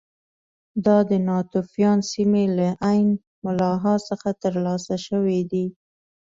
دا د ناتوفیان سیمې له عین ملاحا څخه ترلاسه شوي دي